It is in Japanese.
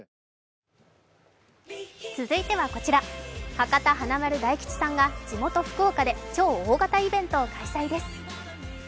博多華丸・大吉さんが地元・福岡で超大型イベントを開催です。